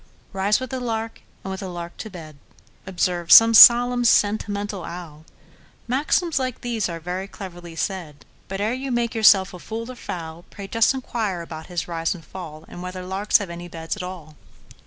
"Rise with the lark, and with the lark to bed,"Observes some solemn, sentimental owl; Maxims like these are very cheaply said; But, ere you make yourself a fool or fowl, Pray just inquire about his rise and fall, And whether larks have any beds at all!